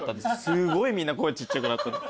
すごいみんな声ちっちゃくなった。